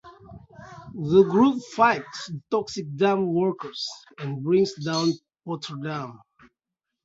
The group fights the toxic dump workers and brings down Potterdam.